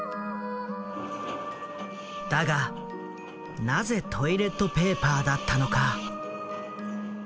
だがなぜトイレットペーパーだったのか？